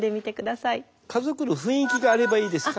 家族の雰囲気があればいいですか？